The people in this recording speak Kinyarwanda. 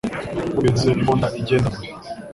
Bumvise imbunda igenda kure